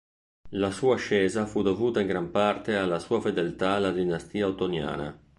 La sua ascesa fu dovuta in gran parte alla sua fedeltà alla dinastia ottoniana.